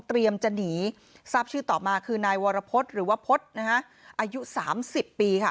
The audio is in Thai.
เตรียมจะหนีทรัพย์ชื่อต่อมาคือนายวรพฤษหรือว่าพฤษอายุ๓๐ปีค่ะ